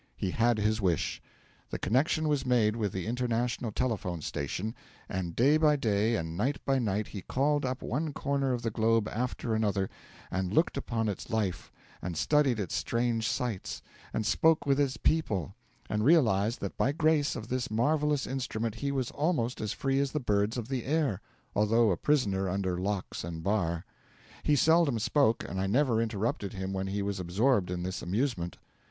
He had his wish. The connection was made with the international telephone station, and day by day, and night by night, he called up one corner of the globe after another, and looked upon its life, and studied its strange sights, and spoke with its people, and realised that by grace of this marvellous instrument he was almost as free as the birds of the air, although a prisoner under locks and bars. He seldom spoke, and I never interrupted him when he was absorbed in this amusement.